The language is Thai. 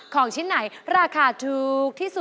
ของชิ้นไหนราคาถูก